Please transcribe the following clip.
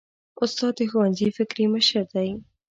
استاد د ښوونځي فکري مشر دی.